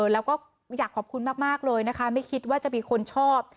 แล้วก็อยากขอบคุณมากเลยนะคะไม่คิดว่าจะมีคนชอบ